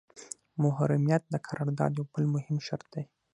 محرمیت د قرارداد یو بل مهم شرط دی.